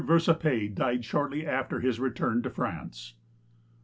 Verseimy died sliortly after his return to France.